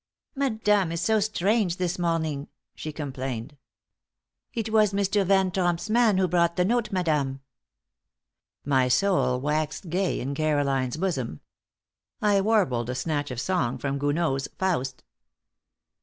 "Madame is so strange this morning," she complained. "It was Mr. Van Tromp's man who brought the note, madame." My soul waxed gay in Caroline's bosom. I warbled a snatch of song from Gounod's "Faust."